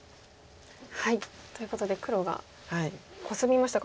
ということで黒がコスみましたが。